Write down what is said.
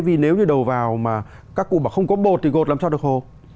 cái đầu vào mà các cụ bảo không có bột thì gột làm sao được khô